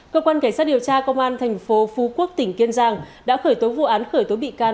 cơ quan cảnh sát điều tra công an thành phố phú quốc tỉnh kiên giang đã khởi tố vụ án khởi tố bị can